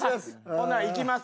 ほんなら行きます。